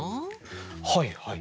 はいはい。